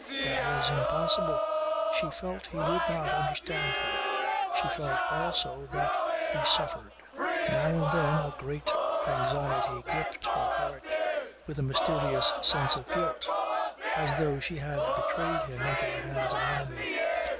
That was impossible. She felt he would not understand her. She felt also that he suffered. Now and then a great anxiety gripped her heart with a mysterious sense of guilt as though she had betrayed him into the hands of an enemy.